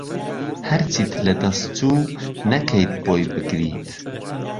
هەرچیت لەدەست چو نەکەیت بۆی بگریت